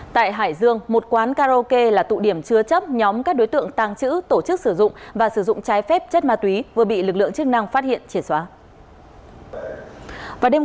tại hải dương một quán karaoke là tụ điểm chứa chấp nhóm các đối tượng tàng trữ tổ chức sử dụng và sử dụng trái phép chất ma túy vừa bị lực lượng chức năng phát hiện triệt xóa